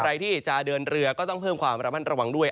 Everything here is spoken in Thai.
ใครที่จะเดินเรือก็ต้องเพิ่มความระมัดระวังด้วย